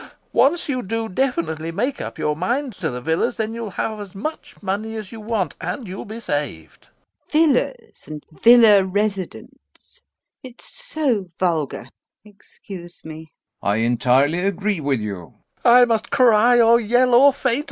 Once you do definitely make up your minds to the villas, then you'll have as much money as you want and you'll be saved. LUBOV. Villas and villa residents it's so vulgar, excuse me. GAEV. I entirely agree with you. LOPAKHIN. I must cry or yell or faint.